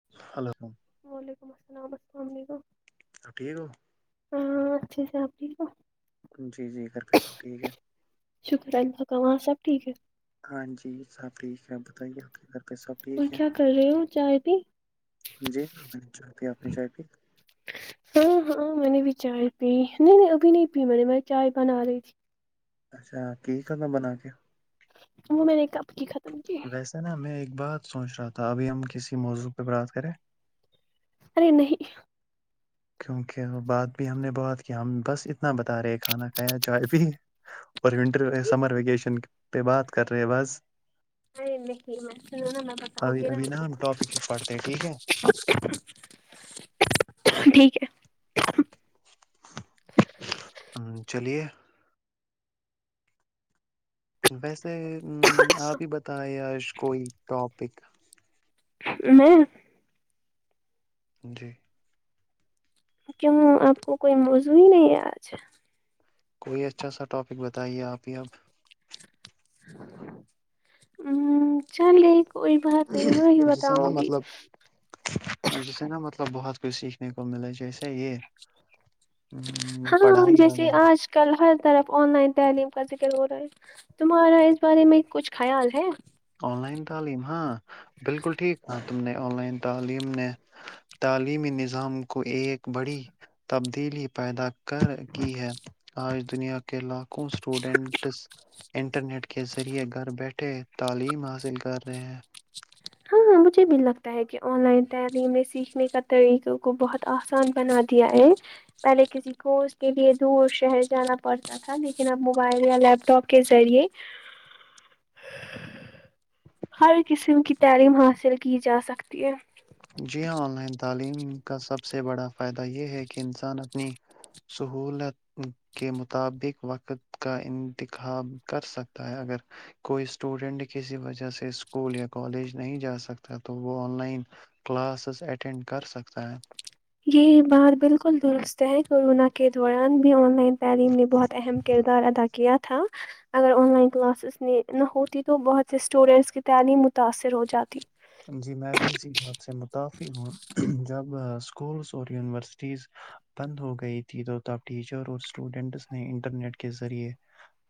[unintelligible] وعلیکم السلام السلام علیکم سب ٹھیک ہاں اچھا ج آپ ٹھیک ہو ہو جی جی گھر پہ سب ٹھیک ہے شکر اللہقاں سب ٹھیک ہے ہاں جی سب ٹھیک ہے بتائیے آپ کے گھر پ سب اور ٹھیک ہے کیا کر رہے ہو چائے پی جی چاہ آپ نے چاہ ہاں ہاں میں نے بھی چائے پی نہیں نہیں ابھی نہیں پی میں نے میں چائے بنا رہی تھی اچھا کی کرنا بنا کے وہ میں نے کب کی ختم کی ویسے نا میں ایک بات سوچ رہا تھا ابھی ہم کسی موضوع پہ بات کریں ارے نہیں کیونکہ وہ بات بھی ہم نے بہت کیا ہم بس ا بتا رہے کھانا کھایا چائے پ اور ونٹر جی سمر ویکیشن پہ بات کر رہے بعس نہیںر ل م میں بتاؤں گ ابھی نا ابھی ہم ٹاپک ہی پڑھتے ہیں ٹھیک آپ ٹھیک ہے چلیے ویسے آپ ہی بتائے آج کوئی ٹاپک ھم ھم جی کیوں آپ کو کوئی موزوع ہی نہیں ہے آج کوئی اچھا سا ٹاپک بتائیے آپ یہب ہ چلے کوئی بات نہیں میں بھی بتاؤں گی جیسے نا مطلب بہت کچھ سیکھنے کو ملاے جیسے یہ ام، ہاں پڑھائی جیسے وغیرہ آج کل ہر طرف آن لائن تعلیم کا ذکر ہو رہا ہے تمہارا اس بارے میں کچھ خیال ہے آن لائن تعلیم ہاں بالکل ٹھیک کہا تم نے آن لائن تعلیم نے تعلیمی نظام کو ایک بڑی تبدیلی پیدا کر کی ہے آج دنیا کے لاکھ کو اسٹوڈینٹس انٹرنیٹ کے ذریعے گھر بیٹھے تعلیم حاصل کر رہے ہیں ہاں ہاں مجھے بھی لگتا ہے کہ آن لائن تعلیمیں سیکھنے کا طریقوں کو بہت آسان بنا دیا ہے پہلے کسی کورس کے لیے دور شہر جانا پڑتا تھا لیکن اب موبائل یا لیپ ٹاپ کے ذریعے [inaudible] [inaudible] ہر قسم کی تعلیم حاصل کی جا سکتی ہے جی ہاں آن لائن تعلیم کا سب سے بڑا فائدہ یہ ہے کہ انسان اپنی سہولت کے مطابق وقت کا انتخاب کر سکتا ہے اگر کوئی اسٹوڈینٹ کسی وجہ سے اسکول یا کالج نہیں جا سکتا تو وہ آن لائن کلاسز اٹینڈ کر سکتا ہے یہ بات بالکل درست ہے کورونا کے دوران بھی ان لائن تعلیم نے بہت اہم کردار ادا کیا تھا اگر آن لائن کلاسز میں نہ ہوتی تو بہت سے اسٹوڈینٹس کی تعلیم متاثر ہو جاتی جی میں بھی اسی بات سے متفق ہوں جب اسکولس اور یونیورسٹیز بند ہو گئی تھی تو تب ٹیچر اور اسٹوڈینٹس نے انٹرنیٹ کے ذریعے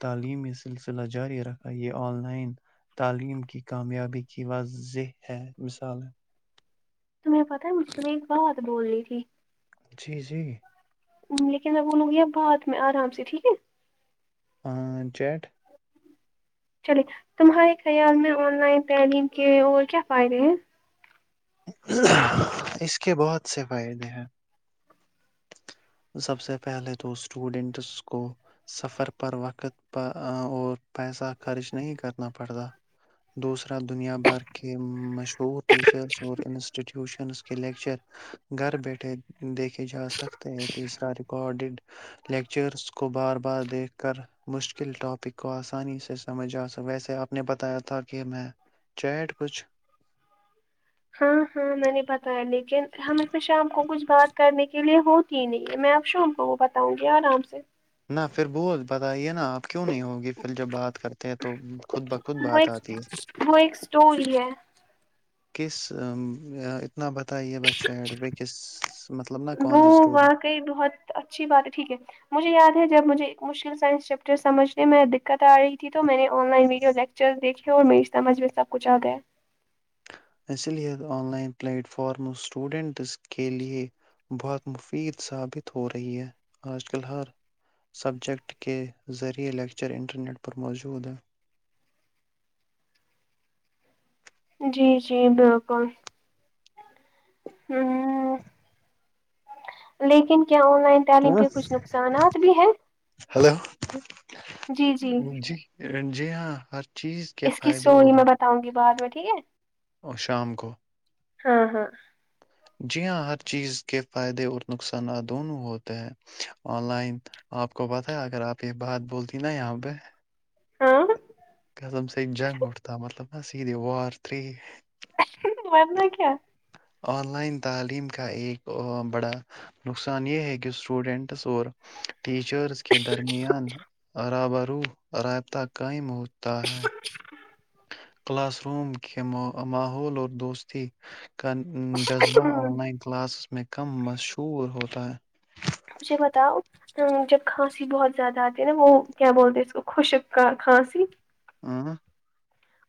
تعلیمی سلسلہ جاری رکھا یہ آن لائن تعلیم کی کامیابی کی واضح ہے مثال تمہیں پتاہ ہے مجھے تمہیت ایک بات بولنی تھی جی جی لیکن میں بولوں گی اب باد میں آرام سے ٹھیک ہے ہاں چیٹ چلیے تمہارے خیال میں آن لائن تعلیم کے اور کیا فائدے ہیں اس کے بہت سے فائدے ہیں سب سے پہلے تو اسٹوڈنٹس کو سفر پر وقت پر اور پیسہ خرچ نہیں کرنا پڑتا دوسرا دنیا بھر کے مشہور ٹیچرس اور انسٹیٹیوشنس کے لیکچر گھر بیٹھے دیکھے جا سکتے ہیں تیسرا ریکارڈیڈ لیکچرس کو بار بار دیکھ کر مشکل ٹاپک کو آسانی سے سمجھ آ سکتا ویسے آپ نے بتایا تھا کہ میں چیٹ کچھ ہاں ہاں میں نے بتایا لیکن ہم اس میں شام کو کچھ بات کرنے کے لیے ہو نہیں میں آپ شام کو وہ بتاؤں گی آرام سے نہ پھر بول بتائیے نا آپ کیوں نہیں ہوگے پھر جب بات کرتے ہیں تو خود بخود وہ بات ایک آتی ہے وہ ایک اسٹوری ہے کس اتنا بتائیے ہی بس چیت پہ کس مطلب نہ کون سی اسٹوری کہے بہت اچھی بات ہے ٹھیک ہے مجھے یاد ہے جب مجھے مشکل سائنس چیپٹر سمجھنے میں دقت آ رہی تھی تو میں نے آن لائن ویڈیو لیکچرس دیکے اور میری سمجھ میں سب کچھ آ گیا اس لیے online platform students کے لیے بہت مفید ثابت ہو رہی ہے آج کل ہر سبجیکٹ کے ذریعے لیکچر انٹرنیٹ پر موجود ہے جی جی بالکل لیکن کیا آن لائن تعلیم کے کچھ نقصانات بھی ہیں ہیلو جی جی ہاں ہر چیز کے اس کی فائدے سٹوری اور میں بتاؤں گی بعد میں ٹھیک ہے اور شام کو ہاں ہاں جی ہاں ہر چیز کے فائدے اور نقصانات دونوں ہوتے ہیں آن لائن آپ کو پتا ہے اگر آپ یہ بات بولتی نا یہاں پہ ہاں قسم سے جنگ اٹھتا مطلب نا سید ہے وار تھری ورنہ کیا آن لائن تعلیم کا ایک بڑا نقصان یہ ہے کہ اسٹوڈینٹس اور ٹیچرز کے درمیان روبرو رابطہ قائم ہوتا ہے اچ کلاس روم کے ماحول اور دوستی کا جذبہ آن لائن کلاسز میں کم مشہور ہوتا ہے مجھے بتاؤ جب کھانسی بہت زیادہ آتی ہے نا وہ کیا بولتے ہیں اس کو خشک کا کھانسی ہاں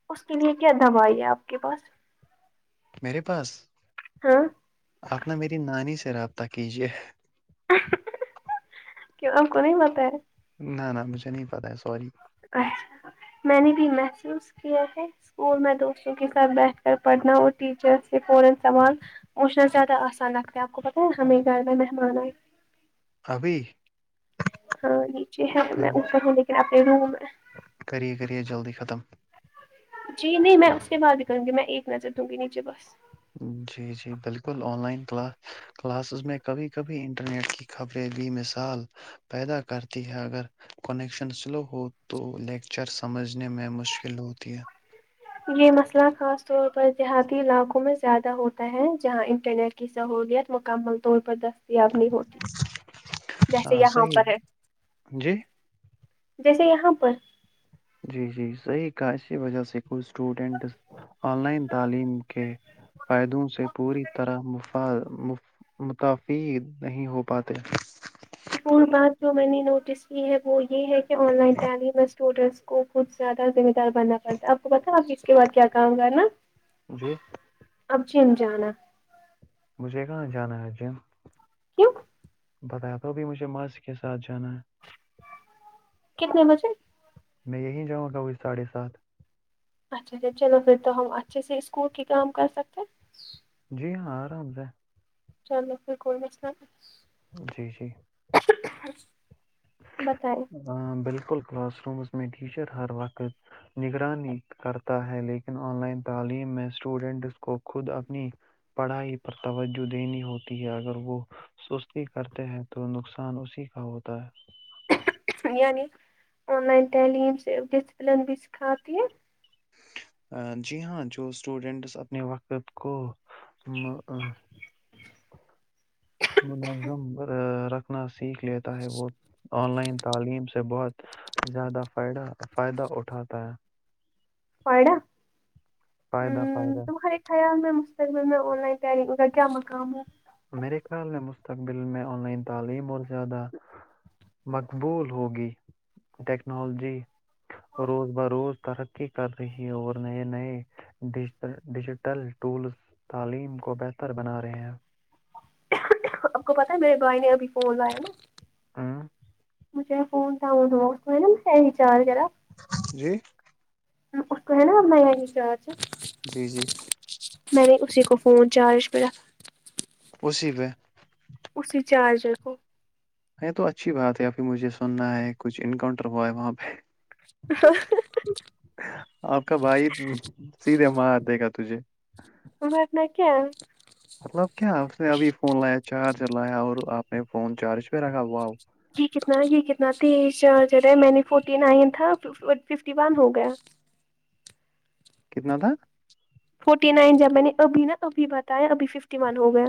اس کے لیے کیا دوائی ہے آپ کے پاس میرے پاس ہاں آپ‌ نا میری نانی سے رابطہ کیجیے کیوں اپ کو نہیں پتہ ہے نہ نہ مجھے نہیں پتہ ہے سوری اچھا میں نے بھی محسوس کیا ہے اسکول میں دوستوں کے ساتھ بیٹھ کر پڑھنا اور ٹیچر سے فورن سوال پوچھنا زیادہ آسان لگتا ہے آپ کو پتہ ہے ہمیں گھر میں مہمان آئے ابھی ہاں نیچے ہے میں اوپر ہوں لیکن اپنے روم میں کرے کرے جلدی ختم جی نہیں میں اس کے بعد بھی کروں گی میں ایک نظر دوں گی نیچے بس جی جی بالکل آن لائن کلا کلاسز میں کبھی کبھی انٹرنیٹ کی خبریں بھی مثال پیدا کرتی ہیں اگر کنیکشن سلو ہو تو لیکچر سمجھنے میں مشکل ہوتی ہے یہ مسئلہ خاص طور پر دیہاتی علاقوں میں زیادہ ہوتا ہے جہاں انٹرنیٹ کی سہولیت مکمل طور پر دستیاب نہیں ہوتی جیسے ہاں یہاں صحیح پر ہے جی جیسے یہاں پر جی جی صحیح کہا اسی وجہ سے کچھ اسٹوڈنٹس آن لائن تعلیم کے فائدوں سے پوری طرح مفاد متفق نہیں ہو پاتے ایک اور بات جو میں نے نوٹس کی ہے وہ یہ ہے کہ آن لائن تعلیم میں سٹوڈنٹس کو کچھ زیادہ ذمہ دار بننا پڑتا آپ کو پتا اب اس کے بعد کیا کام کرنا مجھے آپ جم جانا مجھے کہاں جانا ہے آج جم کیوں بتایا تو ابھی مجھے ماسی کے ساتھ جانا ہے کتنے بجے میں یہیں جاؤں گا کوئی ساڑھے ساتھ اچھا اچھا چلو پھر تو ہم اچھے سے اسکول کے کام کر سکتے ہیں جی ہاں آرام سے چلو پھر کوئی مسئلہ نہیں جی جی بتائے ہاں بالکل کلاس رومز میں ٹیچر ہر وقت نگرانی کرتا ہے لیکن آن لائن تعلیم میں اسٹوڈنٹس کو خود اپنی پڑھائی پر توجہ دینی ہوتی ہے اگر وہ سستی کرتے ہیں تو نقصان اسی کا ہوتا ہے یعنی آن لائن تعلیم صرف ڈسپلن بھی سکھاتی ہے جی ہاں جو اسٹوڈنٹس اپنے وقت کو [inaudible] منظم رکھنا سیکھ لیتا ہے وہ آن لائن تعلیم سے بہت زیادہ فائدہ فائدہ اٹھاتا ہے فائدہ فائدہ فائدہ تمہارے خیال میں مستقبل میں آن لائن تعلیم کا کیا مقام ہے میرے خیال نے مستقبل میں آن لائن تعلیم اور زیادہ مقبول ہوگی ٹیکنالوجی روز بہ روز ترقی کر رہی ہے اور نئے نئے ڈیجیٹل ٹولز تعلیم کو بہتر بنا رہے ہیں آپ کو پتا ہے میرے بھائی نے ابھی فون لایا نا ہ مجھے فون ڈاؤن ہوا اس نے لے نا مجھ سے ہی چارجر اب جی اس کو ہے نا اب نیا ہی چارجر جی جی میں نے اسی کو فون چارج پہ رکھا ہے اسی پہ اسی چارجر کو ہےتو اچھی بات ہے ابھی مجھے سننا ہے کچھ انکاؤنٹر ہوا ہے وہاں پہ [inaudible] آپ کا بھائی سیدھے مار دے گا تجھے ورنہ کیا ہے مطلب کیا اس نے ابھی فون لایا چارجر لایا اور آپ نے فون چارج پہ رکھا واو یہ کتنا یہ کتنا تیز چارجر ہے میں نے فورٹی نائن تھا ففٹی ون ہو گیا کتنا تھا فورٹی نائن جب میں نے ابھی نا ابھی بتایا ابھی ففٹی ون ہو گیا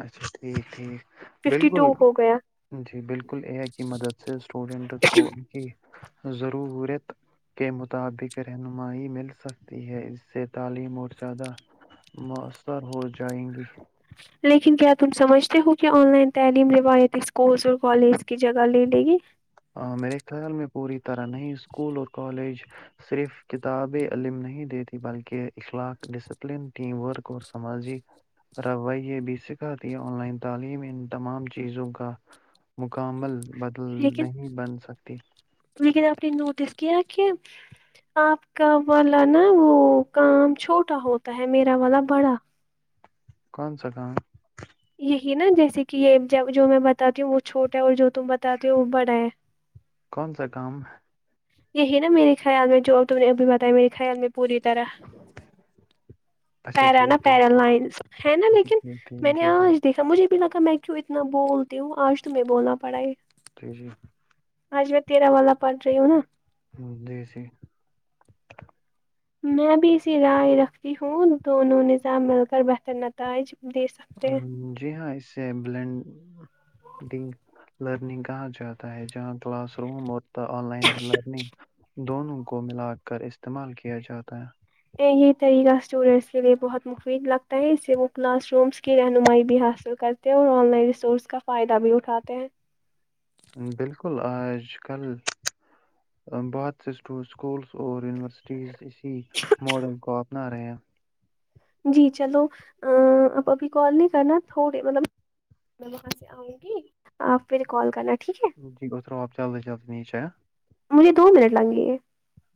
اچھا ٹھیک ٹھیک ففٹی بالکل ٹو ہو گیا جی بالکل اے آئی کی مدد سے اسٹوڈنٹس کو ان کی ضرورت کے مطابق رہنمائی مل سکتی ہے اس سے تعلیم اور زیادہ موثر ہو جائیں گی لیکن کیا تم سمجھتے ہو کہ آن لائن تعلیم روایتی اسکولس اور کالج کی جگہ لے لے گی ہاں میرے خیال میں پوری طرح نہیں اسکول اور کالج صرف کتاب علم نہیں دیتی بلکہ اخلاق ڈسپلن ٹیم ورک اور سماجی روی یہ بھی سکھاتی آن لائن تعلیم ان تمام چیزوں کا مکمل بدل نہیں بن سکتی بلکہ اپ نے نوٹس کیا کہ آپ کا والا نا وہ کام چھوٹا ہوتا ہے میرا والا بڑا کون سا کام یہی نا جیسے کہ یہ جب جو میں بتاتی ہوں وہ چھوٹا ہے اور جو تم بتاتے ہو وہ بڑا ہے کون سا کام یہی نا میرے خیال میں جوب تم نے ابھی بتایا میرے خیال میں پوری طرح اچھا پیرانہ ٹھیک ٹھیک پیرا لائن لیکن ہے نا اچھا لیکن ٹھیک ٹھیک میں نے جی جی جی آج دیکھا مجھے بھی لگا میں کیوں اتنا بولتی ہوں آج تمہیں بولنا پڑا ہے جی جی آج میں تیرہ والا پڑ رہی ہوں نا دیسی میں بھی اسی رائے رکھتی ہوں دونوں نظام مل کر بہتر نتائج دے سخ جی ہاں اس بلینڈ لرننگ کہا جاتا ہے جہاں کلاس روم اور آن لائن لرننگ دونوں کو ملا کر استعمال کیا جاتا ہے یہ طریقہ اسٹوڈینٹس کے لیے بہت مفید لگتا ہے اس سے وہ کلاس رومس کی رہنمائی بھی حاصل کر اور آن لائن ریسورس کا فائدہ بھی اٹھاتے ہیں بالکل آج کل بہت سے اسکولس اور یونیورسٹیز اسی ماڈل کو اپنا رہے ہیں جی چلو اب ابھی کال نہیں کرنا تھوڑے مطلب میں وہاں سے آؤں گی آپ پھر کال کرنا ٹھیک ہے جی اترو آپ جلدی جلدی نیچے مجھے دو منٹ لگ گے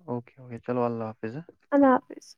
اوکے اوکے چلو اللہ حافظ اللہ حافظ